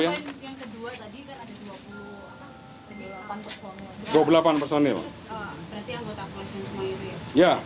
berarti anggota polisi semua ini ya